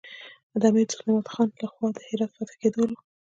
د امیر دوست محمد خان له خوا د هرات د فتح کېدلو.